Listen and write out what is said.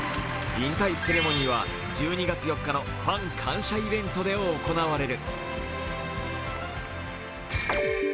引退セレモニーは１２月４日のファン感謝イベントで行われる。